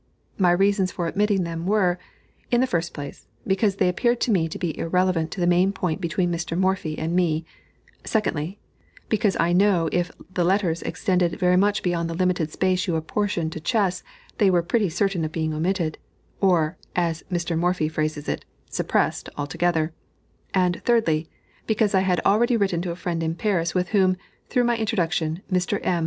My reasons for omitting them were, in the first place, because they appeared to me to be irrelevant to the main point between Mr. Morphy and me; secondly, because I know if the letters extended very much beyond the limited space you apportion to chess, they were pretty certain of being omitted, or, as Mr. Morphy phrases it, "suppressed" altogether; and, thirdly, because I had already written to a friend in Paris with whom, through my introduction, Mr. M.